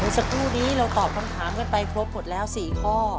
สักครู่นี้เราตอบคำถามกันไปครบหมดแล้ว๔ข้อ